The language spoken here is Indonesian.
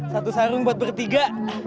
satu sarung buat bertiga